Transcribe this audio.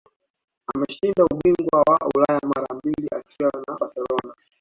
Ameshinda ubingwa wa Ulaya mara mbili akiwa na Barcelona